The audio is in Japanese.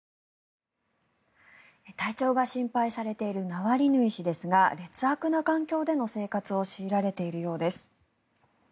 体調が心配されているナワリヌイ氏ですが劣悪な環境での生活を強いられているようです。